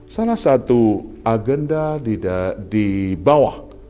salah satu agenda di bawah